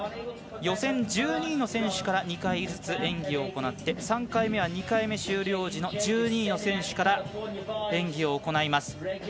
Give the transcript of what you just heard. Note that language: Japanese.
予選１２位の選手から２回ずつ演技を行って３回目は２回目終了時の１２位の選手から演技を行います。